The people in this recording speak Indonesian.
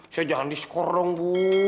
saya jangan diskor dong bu